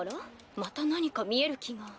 また何か見える気が。